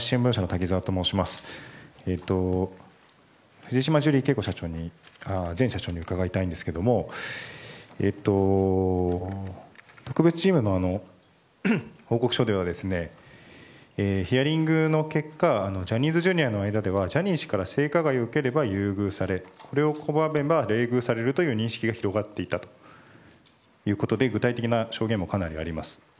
藤島ジュリー景子前社長に伺いたいんですが特別チームの報告書ではヒアリングの結果ジャニーズＪｒ．の間ではジャニー氏から性加害を受ければ優遇されそれを拒めば冷遇されるという認識が広がっていたということで具体的な証言もかなりあります。